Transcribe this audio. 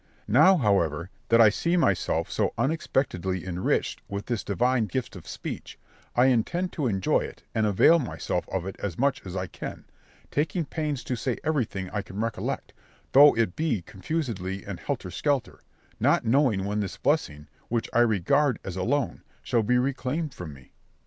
Now, however, that I see myself so unexpectedly enriched with this divine gift of speech, I intend to enjoy it and avail myself of it as much as I can, taking pains to say everything I can recollect, though it be confusedly and helter skelter, not knowing when this blessing, which I regard as a loan, shall be reclaimed from me.